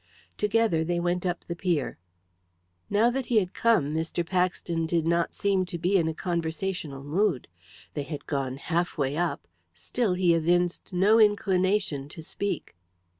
Together they went up the pier. Now that he had come Mr. Paxton did not seem to be in a conversational mood. They had gone half way up; still he evinced no inclination to speak.